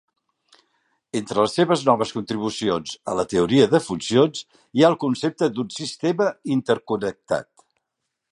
Entre les seves noves contribucions a la teoria de funcions hi ha el concepte d'un "sistema interconnectat".